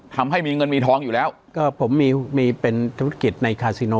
ทำให้มีเงินมีทองอยู่แล้วก็ผมมีมีเป็นธุรกิจในคาซิโน